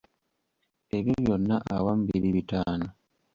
Ebyo byonna awamu biri bitaano.